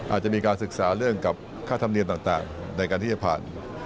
อาจจะมีการศึกษาเรื่องกับค่าธรรมเนียมต่างในการที่จะผ่าน